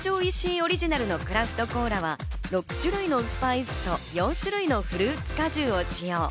オリジナルのクラフトコーラは６種類のスパイスと４種類のフルーツ果汁を使用。